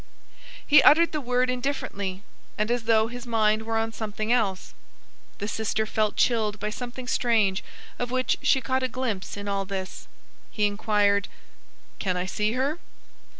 He uttered the word indifferently, and as though his mind were on something else. The sister felt chilled by something strange of which she caught a glimpse in all this. He inquired:— "Can I see her?"